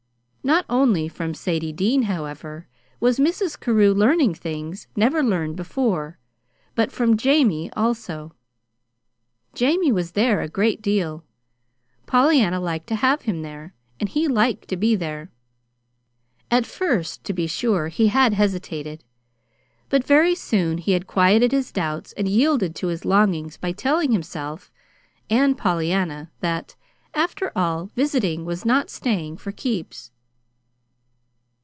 Not only from Sadie Dean, however, was Mrs. Carew learning things never learned before, but from Jamie, also. Jamie was there a great deal. Pollyanna liked to have him there, and he liked to be there. At first, to be sure, he had hesitated; but very soon he had quieted his doubts and yielded to his longings by telling himself (and Pollyanna) that, after all, visiting was not "staying for keeps."